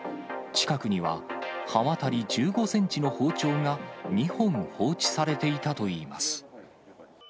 近くには、刃渡り１５センチの包丁が２本放置されていたといいます。